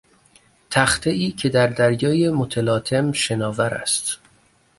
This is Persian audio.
تختهای که در دریای متلاطم شناور است